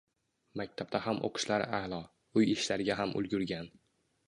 Maktabda ham o`qishlari a`lo, uy ishlariga ham ulgurgan